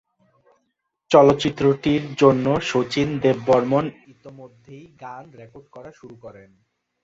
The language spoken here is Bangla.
চলচ্চিত্রটির জন্য শচীন দেববর্মণ ইতোমধ্যেই গান রেকর্ড করা শুরু করেন।